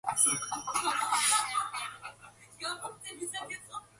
Tatung are the defending champions.